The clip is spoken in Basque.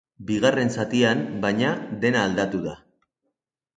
Bigarren zatian, baina, dena aldatu da.